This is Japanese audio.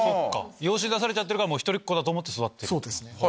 養子に出されちゃってるから一人っ子と思って育ってる。